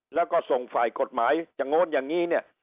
แล้วก็ส่งฝ่ายกฎหมายอย่างโน้นอย่างนี้เนี่ย